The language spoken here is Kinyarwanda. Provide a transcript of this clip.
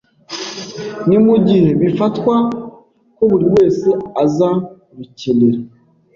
ni mu gihe bifatwa ko buri wese azarukenera